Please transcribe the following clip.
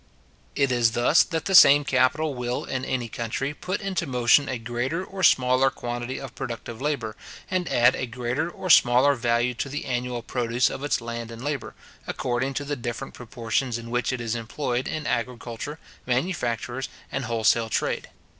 It is thus that the same capital will in any country put into motion a greater or smaller quantity of productive labour, and add a greater or smaller value to the annual produce of its land and labour, according to the different proportions in which it is employed in agriculture, manufactures, and wholesale trade.